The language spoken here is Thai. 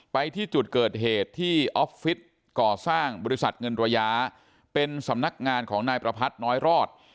ไปที่จุดเกิดเหตุที่ออฟฟิศก่อสร้างบริษัทเงินระยะเป็นสำนักงานของนายประพัทธ์น้อยรอด